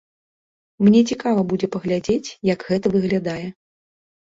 Мне цікава будзе паглядзець, як гэта выглядае.